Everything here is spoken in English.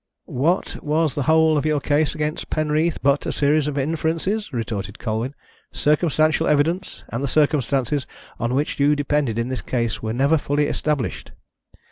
"What was the whole of your case against Penreath but a series of inferences?" retorted Colwyn. "Circumstantial evidence, and the circumstances on which you depended in this case, were never fully established.